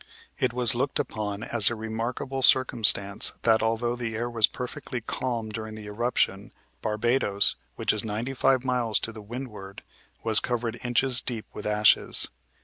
It was looked upon as a remarkable circumstance that although the air was perfectly calm during the eruption, Barbados, which is ninety five miles to the windward, was covered inches deep with ashes.